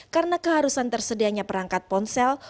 karena keharusan tersedianya perangkat ponsel